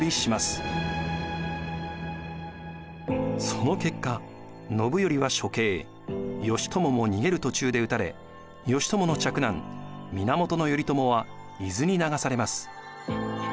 その結果信頼は処刑義朝も逃げる途中で討たれ義朝の嫡男源頼朝は伊豆に流されます。